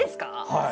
はい。